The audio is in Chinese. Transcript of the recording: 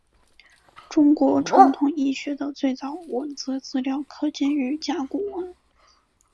中国传统医学的最早文字资料可见于甲骨文。